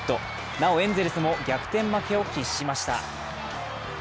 なお、エンゼルスも逆転負けを喫しました。